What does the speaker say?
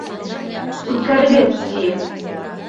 Үткәрегеҙ, тием!